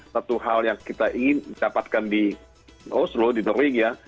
satu hal yang kita ingin dapatkan di oslo di norwegia